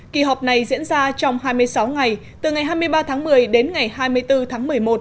kỳ họp này diễn ra trong hai mươi sáu ngày từ ngày hai mươi ba tháng một mươi đến ngày hai mươi bốn tháng một mươi một